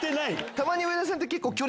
たまに上田さんって。